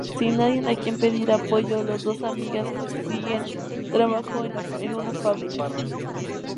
Sin nadie a quien pedir apoyo, las dos amigas consiguen trabajo en una fábrica.